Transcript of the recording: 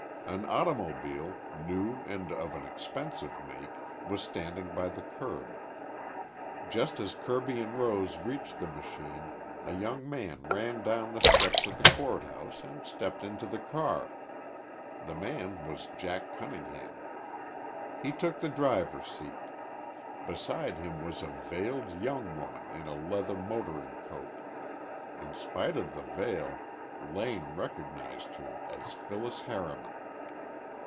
An automobile, new and of an expensive make, was standing by the curb. Just as Kirby and Rose reached the machine a young man ran down the steps of the court house and stepped into the car. The man was Jack Cunningham. He took the driver's seat. Beside him was a veiled young woman in a leather motoring coat. In spite of the veil Lane recognized her as Phyllis Harriman.